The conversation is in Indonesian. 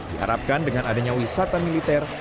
diharapkan dengan adanya wisata militer